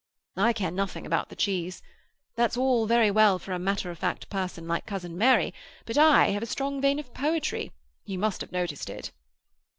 "I care nothing about the cheese. That's all very well for a matter of fact person like cousin Mary, but I have a strong vein of poetry; you must have noticed it?"